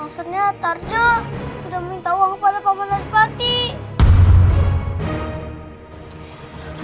sudah minta uang